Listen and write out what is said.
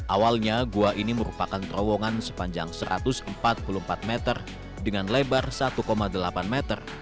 awalnya gua ini merupakan terowongan sepanjang satu ratus empat puluh empat meter dengan lebar satu delapan meter